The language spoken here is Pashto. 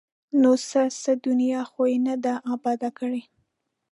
ـ نو څه؟ څه دنیا خو یې نه ده اباد کړې!